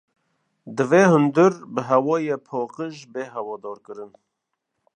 Divê hundir bi hewaya paqîj bê hawadarkirin